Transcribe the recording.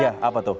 iya apa tuh